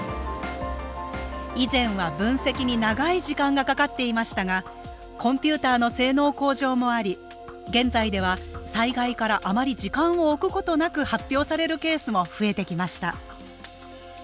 以前は分析に長い時間がかかっていましたがコンピューターの性能向上もあり現在では災害からあまり時間を置くことなく発表されるケースも増えてきました